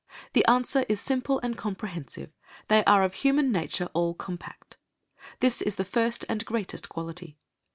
The answer is simple and comprehensive,—they are of human nature all compact. This is the first and greatest quality.